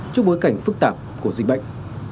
trước bối cảnh phức tạp của dịch bệnh